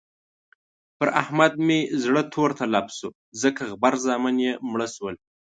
پر احمد مې زړه تور تلب شو ځکه غبر زامن يې مړه شول.